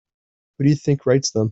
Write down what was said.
Who do you think writes them?